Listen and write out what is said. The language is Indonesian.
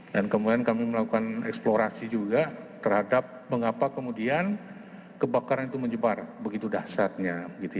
dan kemudian kami melakukan eksplorasi juga terhadap mengapa kemudian kebakaran itu menyebar begitu dasarnya